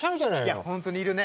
いや本当にいるね。